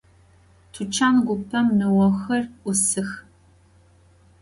Tuçan gupem nıoxer 'usıx.